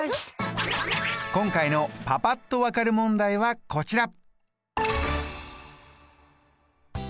今回のパパっと分かる問題はこちら。